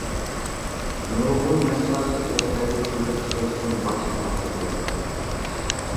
نۇرغۇن ياشلار شىركەتلەرگە كىرىپ ئىشلەشتىن باش تارتىدۇ.